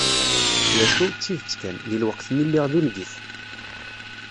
D acu, d tidet kan, deg lweqt-nni lliɣ d ungif.